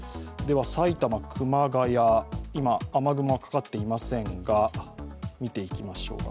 埼玉・熊谷、今、雨雲はかかっていませんが、見ていきましょうか。